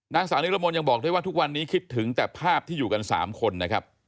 นางสาวนิรมนต์ยังบอกด้วยว่าทุกวันนี้คิดถึงแต่ภาพที่อยู่กัน๓คนนะครับ